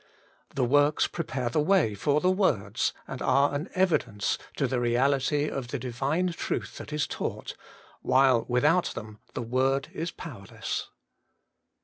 The works prepare the way for the words, and are an evidence to the reahty of the Divine truth that is taught, while without them the world is power less.